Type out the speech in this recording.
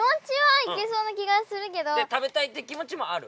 食べたいって気持ちもある？